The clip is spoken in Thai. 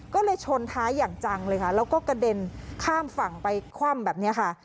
ก็เลยชนท้ายอย่างจังเลยค่ะแล้วก็กระเด็นข้ามฝั่งไปคว่ำแบบนี้ค่ะ